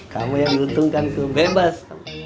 kamu yang diuntungkan itu bebas